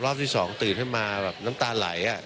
รอบที่๒ตื่นให้มาน้ำตาลไหล